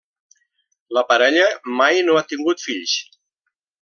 La parella mai no ha tingut fills.